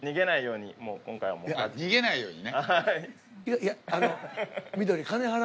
いやあのう。